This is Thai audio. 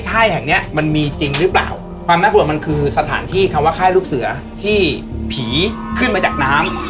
ค่ายแห่งเนี้ยมันมีจริงหรือเปล่าความน่ากลัวมันคือสถานที่คำว่าค่ายลูกเสือที่ผีขึ้นมาจากน้ำ